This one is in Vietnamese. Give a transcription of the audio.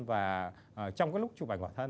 và trong cái lúc chụp ảnh khóa thân